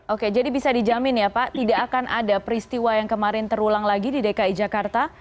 oke jadi bisa dijamin ya pak tidak akan ada peristiwa yang kemarin terulang lagi di dki jakarta